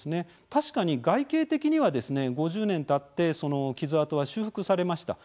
確かに外形的には５０年たってその傷痕は修復されました。